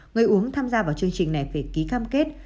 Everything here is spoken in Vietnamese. người uống tham gia vào chương trình này phải ký cam kết